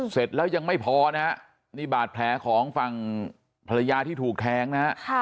เสร็จแล้วยังไม่พอนะฮะนี่บาดแผลของฝั่งภรรยาที่ถูกแทงนะฮะ